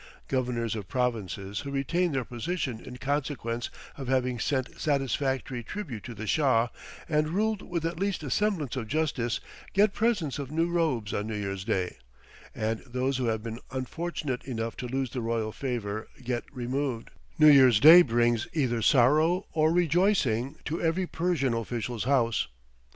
Governors of provinces who retain their position in consequence of having sent satisfactory tribute to the Shah, and ruled with at least a semblance of justice, get presents of new robes on New Year's Day, and those who have been unfortunate enough to lose the royal favor get removed: New Year's Day brings either sorrow or rejoicing to every Persian official's house.